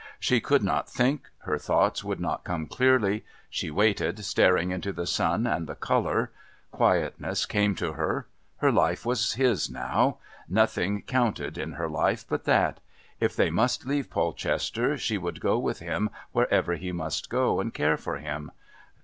She could not think. Her thoughts would not come clearly. She waited, staring into the sun and the colour. Quietness came to her. Her life was now his. Nothing counted in her life but that. If they must leave Polchester she would go with him wherever he must go, and care for him.